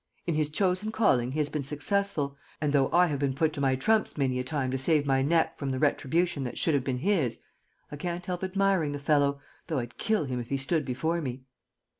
In his chosen calling he has been successful, and though I have been put to my trumps many a time to save my neck from the retribution that should have been his, I can't help admiring the fellow, though I'd kill him if he stood before me!"